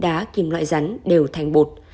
tất cả các loại rắn đều thành bột